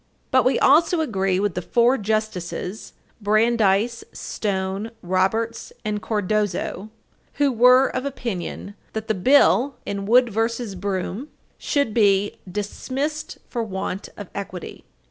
But we also agree with the four Justices (Brandeis, Stone, Roberts, and Cardozo, JJ.) who were of opinion that the bill in Wood v. Broom, supra, should be "dismissed for want of equity."